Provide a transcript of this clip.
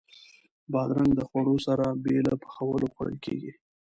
بادرنګ د خوړو سره بې له پخولو خوړل کېږي.